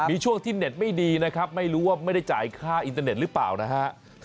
มีช่วงที่เน็ตไม่ดีนะครับไม่รู้ว่าไม่ได้จ่ายค่าอินเตอร์เน็ตหรือเปล่านะฮะ